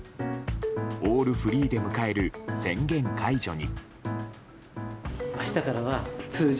オールフリーで迎える宣言解除に。